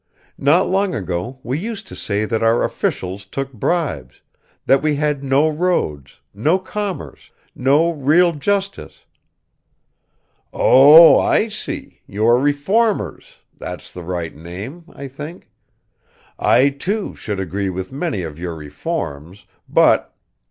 Not long ago we used to say that our officials took bribes, that we had no roads, no commerce, no real justice. ..." "Oh, I see, you are reformers that's the right name, I think. I, too, should agree with many of your reforms, but